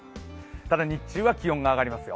ただ日中は気温が上がりますよ。